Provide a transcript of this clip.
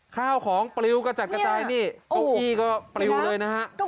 ข้าวของปลิวกระจัดกระจายนี่เก้าอี้ก็ปลิวเลยนะฮะ